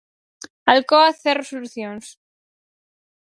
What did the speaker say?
Alcoa cero solucións.